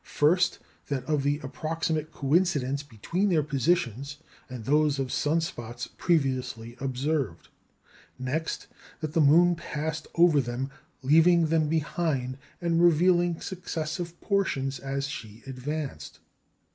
First, that of the approximate coincidence between their positions and those of sun spots previously observed. Next, that "the moon passed over them, leaving them behind, and revealing successive portions as she advanced."